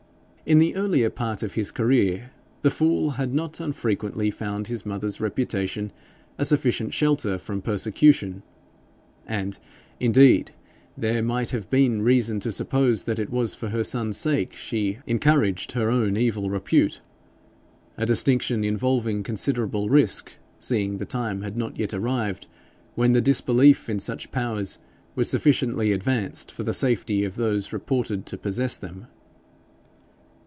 In the earlier part of his career the fool had not unfrequently found his mother's reputation a sufficient shelter from persecution; and indeed there might have been reason to suppose that it was for her son's sake she encouraged her own evil repute, a distinction involving considerable risk, seeing the time had not yet arrived when the disbelief in such powers was sufficiently advanced for the safety of those reported to possess them.